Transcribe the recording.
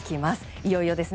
いよいよですね。